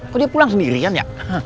kok dia pulang sendirian ya